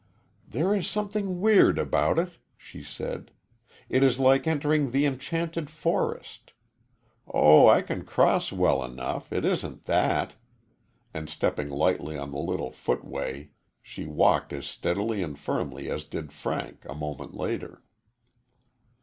"There is something weird about it," she said. "It is like entering the enchanted forest. Oh, I can cross well enough it isn't that," and stepping lightly on the little footway she walked as steadily and firmly as did Frank, a moment later.